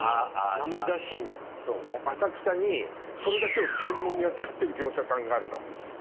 浅草にそれだけを専門に扱ってる業者さんがあるの。